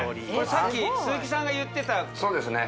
さっき鈴木さんが言ってたそうですね